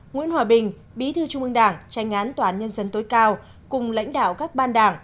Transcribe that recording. nguyễn hòa bình bí thư trung ương đảng tranh án tòa án nhân dân tối cao cùng lãnh đạo các ban đảng